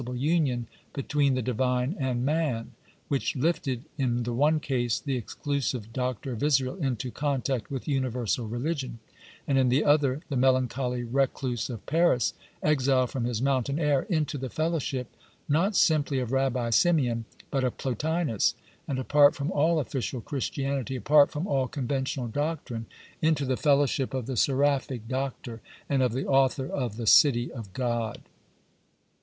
CRITICAL INTRODUCTION li union between the Divine and man, which lifted, in the one case, the exclusive doctor of Israel into contact with universal religion, and, in the other, the melancholy recluse of Paris, exiled from his mountain air, into the fellowship, not simply of Rabbi Simeon, but of Plotinus, and, apart from all official Christianity, apart from all conventional doctrine, into the fellowship of the Seraphic Doctor and of the author of "The City of God."